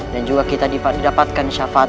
dan juga kita didapatkan syafaat